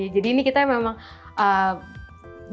jadi ini kita memang